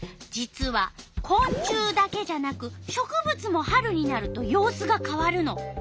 実はこん虫だけじゃなく植物も春になると様子が変わるの。